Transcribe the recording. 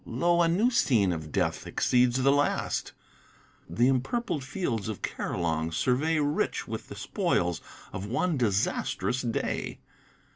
Lo! a new scene of death exceeds the last; Th' empurpled fields of Carilong survey Rich with the spoils of one disastrous day!